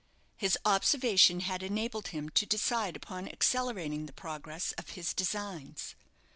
His observation had enabled him to decide upon accelerating the progress of his designs.